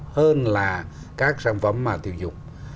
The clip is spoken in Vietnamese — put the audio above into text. hơn là các sản phẩm mà tiêu dục